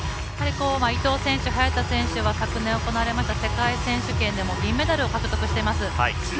伊藤選手、早田選手は昨年行われました世界選手権でも銀メダルを獲得しています。